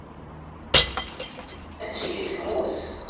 Ad tili temmut.